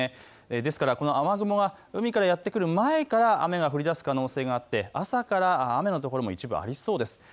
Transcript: ですからこの雨雲は海からやってくる前に雨が降りだす可能性があって朝から雨の所が一部ありそうです。